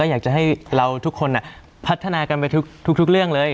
อยากจะให้เราทุกคนพัฒนากันไปทุกเรื่องเลย